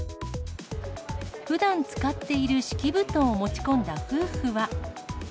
ふだん使っている敷布団を持ち込んだ夫婦は。